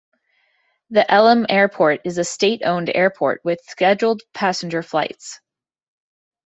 The Elim Airport is a state-owned airport with scheduled passenger flights.